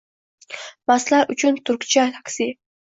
Mastlar uchun turkcha taksi